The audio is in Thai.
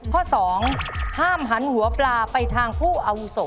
ข้อ๒ห้ามหันหัวปลาไปทางผู้อาวุโส